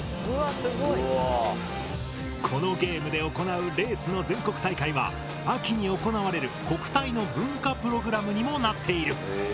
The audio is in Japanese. このゲームで行うレースの全国大会は秋に行われる国体の文化プログラムにもなっている。